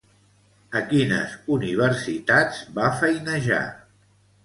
A quines universitats va feinejar?